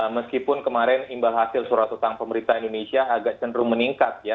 meskipun kemarin imbal hasil surat utang pemerintah indonesia agak cenderung meningkat ya